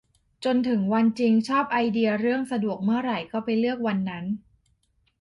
จนถึงวันจริง - ชอบไอเดียเรื่อง สะดวกเมื่อไหร่ก็ไปเลือกวันนั้น